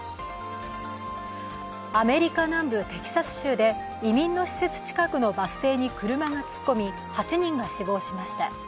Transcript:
アメリカ南部テキサス州で移民の施設近くのバス停に車が突っ込み、８人が死亡しました。